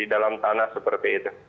dan di dalam tanah seperti itu